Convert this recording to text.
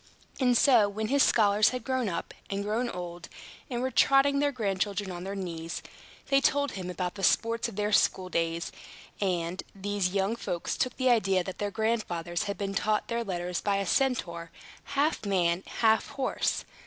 And so, when his scholars had grown up, and grown old, and were trotting their grandchildren on their knees, they told them about the sports of their school days; and these young folks took the idea that their grandfathers had been taught their letters by a Centaur, half man and half horse.